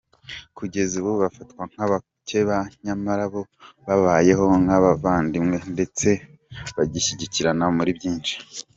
Kugeza ubu bafatwa nk’abakeba nyamara bo babayeho nk’abavandimwe ndetse bashyigikirana muri byinshi.